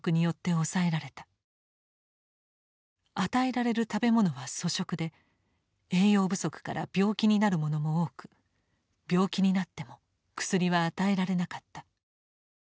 与えられる食べ物は粗食で栄養不足から病気になる者も多く病気になっても薬は与えられなかった。